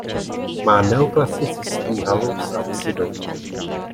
Má neoklasicistní halu s apsidou.